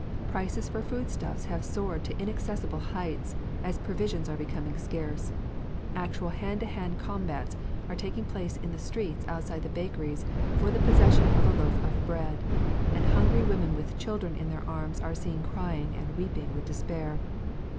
Prices for foodstuffs have soared to inaccessible heights, as provisions are becoming scarce. Actual hand to hand combats are taking place in the streets outside the bakeries for the possession of a loaf of bread, and hungry women with children in their arms are seen crying and weeping with despair.